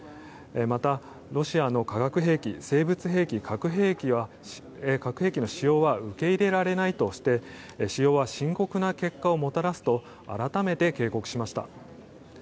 また、ロシアの化学兵器生物兵器、核兵器の使用は受け入れられないとして使用は深刻な結果をもたらすと改めて警告しました。